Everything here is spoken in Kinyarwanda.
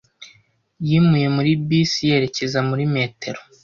Yimuye muri bisi yerekeza muri metero.